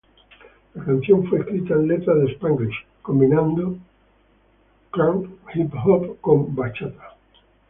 La canción fue escrita con letras de Spanglish combinando crunk hip hop con bachata.